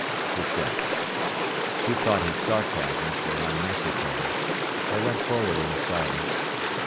he said. She thought his sarcasms were unnecessary. They went forward in silence.